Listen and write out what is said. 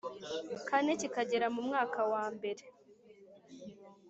kane kikagera mu mwaka wa mbere